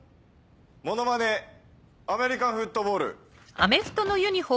モノマネアメリカンフットボール。